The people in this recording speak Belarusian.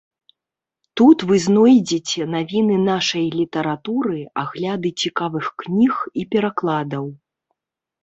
Тут вы знойдзеце навіны нашай літаратуры, агляды цікавых кніг і перакладаў.